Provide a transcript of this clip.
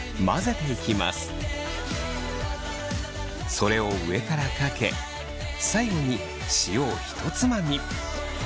それを上からかけ最後に塩をひとつまみ。